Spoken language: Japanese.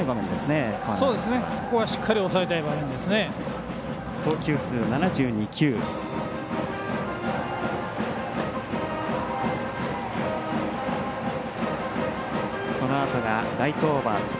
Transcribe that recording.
ここはしっかり抑えたい場面ですね。